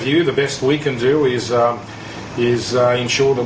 yang terbaik yang bisa kita lakukan adalah